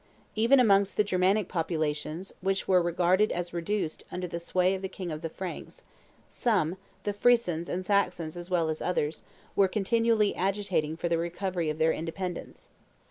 Even amongst the Germanic populations, which were regarded as reduced under the sway of the king of the Franks, some, the Frisons and Saxons as well as others, were continually agitating for the recovery of their independence.